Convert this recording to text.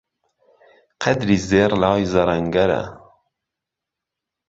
قەدری زێڕ لای زەڕەنگەرە